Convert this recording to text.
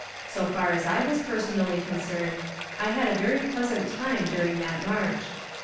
So far as I was personally concerned, I had a very pleasant time during that march.